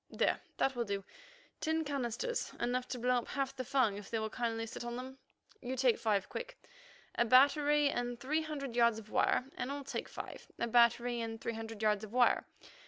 There, that will do. Ten canisters; enough to blow up half the Fung if they will kindly sit on them. You take five, Quick, a battery and three hundred yards of wire, and I'll take five, a battery, and three hundred yards of wire.